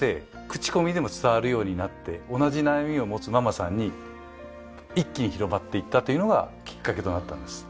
口コミでも伝わるようになって同じ悩みを持つママさんに一気に広まっていったというのがきっかけとなったんです。